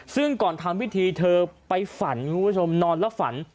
ซึ่งก่อนทำวิธีเธอไปฝันนอนแล้วฝัน